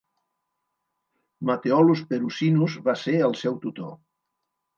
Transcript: Matheolus Perusinus va ser el seu tutor.